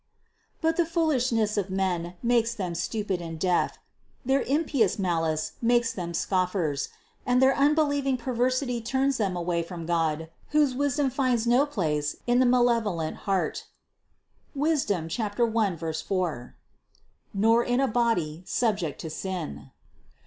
But the fool ishness of men makes them stupid and deaf, their impious malice makes them scoffers, and their unbelieving per versity turns them away from God, whose Wisdom finds no place in the malevolent heart (Wisdom 1, 4), nor in a body subject to sin.